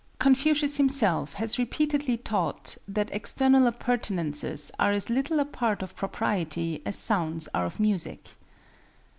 Confucius himself has repeatedly taught that external appurtenances are as little a part of propriety as sounds are of music.